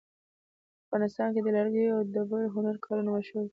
افغانستان کې د لرګیو او ډبرو هنري کارونه مشهور دي